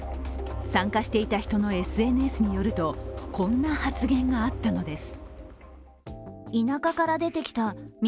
参加していた人のＳＮＳによるとこんな発言があったのです。